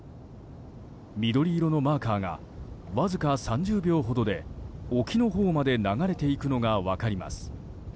緑色のマーカーがわずか３０秒ほどで沖のほうまで流れていくのが分かります。